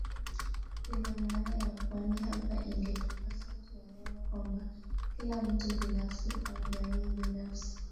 lina maana ya pwani Hapa ingetupasa tuelewe kwamba kila mtu binafsi au jamii binafsi